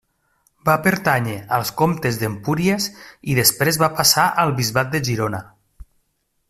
Va pertànyer als comtes d'Empúries i després va passar al bisbat de Girona.